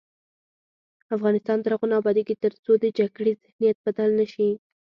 افغانستان تر هغو نه ابادیږي، ترڅو د جګړې ذهنیت بدل نه شي.